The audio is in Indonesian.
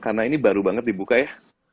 karena ini baru banget dibuka ya